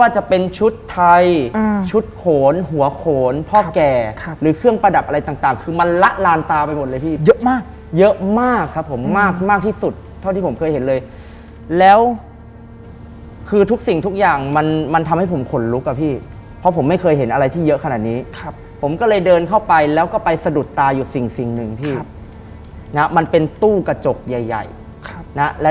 จะเป็นชุดไทยชุดโขนหัวโขนพ่อแก่หรือเครื่องประดับอะไรต่างคือมันละลานตาไปหมดเลยพี่เยอะมากเยอะมากครับผมมากมากที่สุดเท่าที่ผมเคยเห็นเลยแล้วคือทุกสิ่งทุกอย่างมันมันทำให้ผมขนลุกอ่ะพี่เพราะผมไม่เคยเห็นอะไรที่เยอะขนาดนี้ครับผมก็เลยเดินเข้าไปแล้วก็ไปสะดุดตาอยู่สิ่งหนึ่งพี่นะมันเป็นตู้กระจกใหญ่ใหญ่